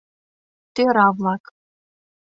Тӧра-влак